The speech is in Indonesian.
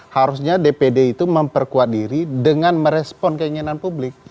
harusnya dpd itu memperkuat diri dengan merespon keinginan publik